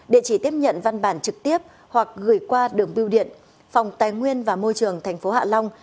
địa chỉ tiếp nhận văn bản trực tiếp hoặc gửi qua đường biêu điện phòng tài nguyên và môi trường tp hạ long